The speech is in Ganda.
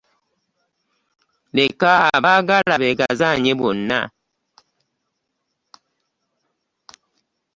Leka abaagala beegazaanye bonna.